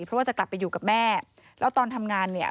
เพราะว่าจะกลับไปอยู่กับแม่แล้วตอนทำงานเนี่ย